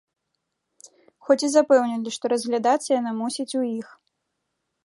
Хоць і запэўнілі, што разглядацца яна мусіць у іх.